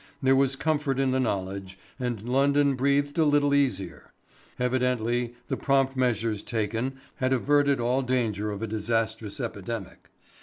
There was comfort in the knowledge, and London breathed a little easier. Evidently the prompt measures taken had averted all danger of a disastrous epidemic.